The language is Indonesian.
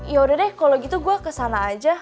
ya udah deh kalau gitu gue kesana aja